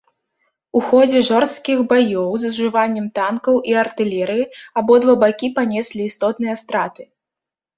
У ходзе жорсткіх баёў з ужываннем танкаў і артылерыі абодва бакі панеслі істотныя страты.